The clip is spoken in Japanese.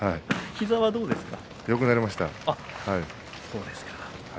膝はどうですか。